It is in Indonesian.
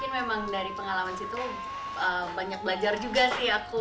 memang dari pengalaman situ banyak belajar juga sih aku